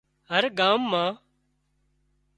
هر ڳام مان